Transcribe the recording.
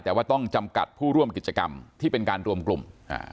แต่ว่าต้องจำกัดผู้ร่วมกิจกรรมที่เป็นการรวมกลุ่มอ่า